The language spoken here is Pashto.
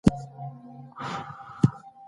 ډله ییزې سندرې د معافیت سیستم پیاوړی کوي.